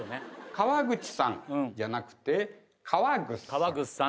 「川口さん」じゃなくて「かわぐっさん」。